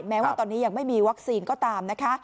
แม้ว่าตอนนี้ยังไม่มีวัคซีนก็ตามนะคะ